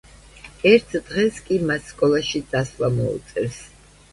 ერთ დღეს კი მას სკოლაში წასვლა მოუწევს.